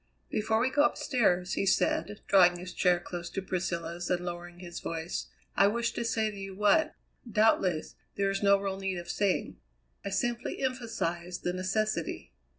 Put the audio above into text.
"Before we go upstairs," he said, drawing his chair close to Priscilla's and lowering his voice, "I wish to say to you what, doubtless, there is no real need of saying. I simply emphasize the necessity.